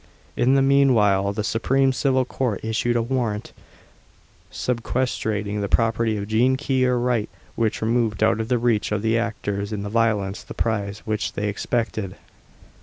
In the meanwhile, the Supreme Civil Court issued a warrant, sequestrating the property of Jean Key, or Wright, which removed out of the reach of the actors in the violence the prize which they expected.